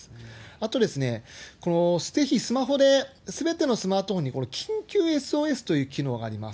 あと、ぜひスマホで、すべてのスマートフォンに緊急ＳＯＳという機能があります。